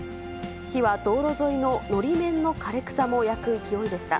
火は道路沿いののり面の枯れ草も焼く勢いでした。